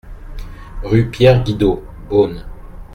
Rue Pierre Guidot, Beaune